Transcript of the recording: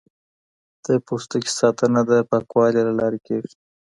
د پوستکي ساتنه د پاکوالي له لارې کیږي.